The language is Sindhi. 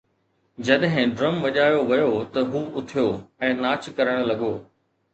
جڏهن ڊرم وڄايو ويو ته هو اٿيو ۽ ناچ ڪرڻ لڳو